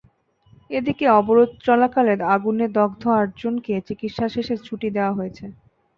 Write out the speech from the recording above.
এদিকে অবরোধ চলাকালে আগুনে দগ্ধ আটজনকে চিকিৎসা শেষে ছুটি দেওয়া হয়েছে।